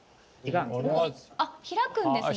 あっ開くんですね。